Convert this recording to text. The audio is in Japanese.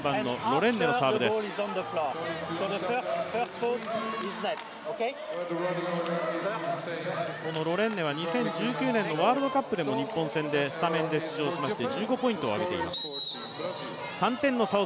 ロレンネは２０１９年のワールドカップでも日本戦でスタメンで出場しまして、１５ポイントを上げています。